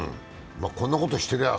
こんなことしてりゃ